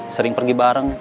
sering pergi bareng